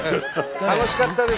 楽しかったです。